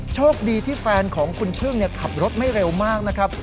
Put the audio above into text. โชคดีที่แฟนของคุณพึ่งขับรถไม่เร็วมากนะครับ